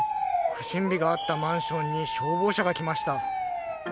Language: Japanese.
不審火があったマンションに消防車が来ました。